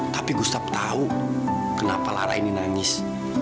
tapi gustab tahu kenapa lara ini nangis